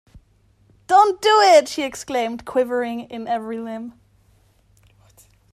'Don't do it!' she exclaimed, quivering in every limb.